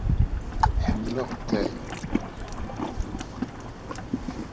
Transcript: Ḥemmleɣ atay.